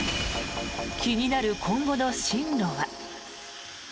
気になる今後の進路は。